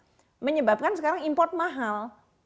itu menyebabkan sekarang import mahal